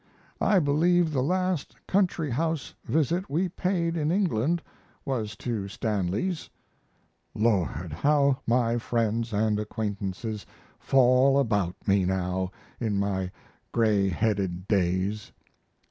I believe the last country house visit we paid in England was to Stanley's. Lord! how my friends & acquaintances fall about me now in my gray headed days!